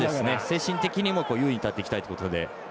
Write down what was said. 精神的にも優位に立っていきたいということで。